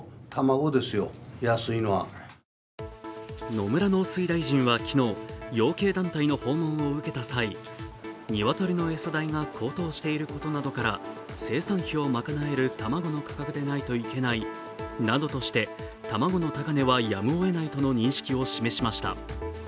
野村農水大臣は昨日、養鶏団体の訪問を受けた際に鶏の餌代が高騰していることなどから、生産費を賄われる卵の価格でないと行けないなどとして卵の高値はやむをえないとの認識を示しました。